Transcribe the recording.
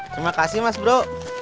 terima kasih mas bro